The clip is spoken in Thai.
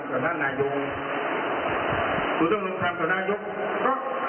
ก็ยังไม่รู้ว่ามันจะยังไม่รู้ว่า